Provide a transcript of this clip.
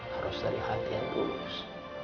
harus dari hati yang tulus